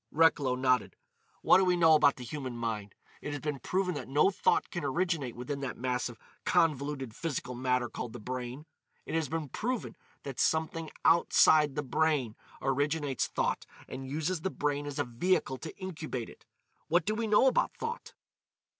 Recklow nodded. "What do we know about the human mind? It has been proven that no thought can originate within that mass of convoluted physical matter called the brain. It has been proven that something outside the brain originates thought and uses the brain as a vehicle to incubate it. What do we know about thought?"